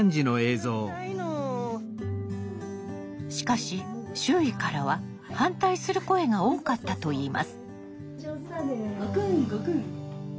しかし周囲からは反対する声が多かったといいます。